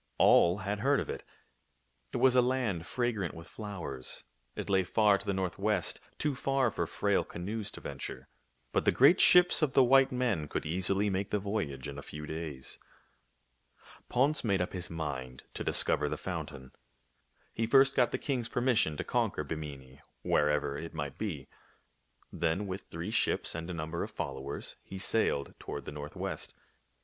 All had heard of it. It was a land fragrant with flowers. It lay far to the northwest — too far for frail canoes to venture. But the great ships of the white men could easily make the voyage in a few days. Ponce made up his mind to discover tlie foun tain. He first got the king's permission to conquer Bimini, wherever it might be. Then with three ships and a number of followers he sailed toward the northwest.